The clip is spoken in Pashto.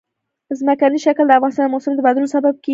ځمکنی شکل د افغانستان د موسم د بدلون سبب کېږي.